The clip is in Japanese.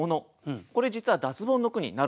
これ実は脱ボンの句になるんです。